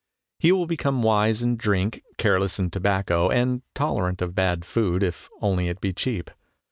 He will become wise in drink, care less in tobacco, and tolerant of bad food if only it be cheap.